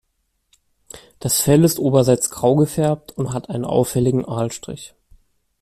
Das Fell ist oberseits grau gefärbt und hat einen auffälligen Aalstrich.